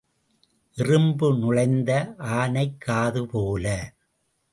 எறும்பு நுழைந்த ஆனைக் காது போல.